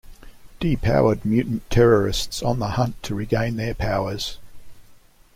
Depowered mutant terrorists on the hunt to regain their powers.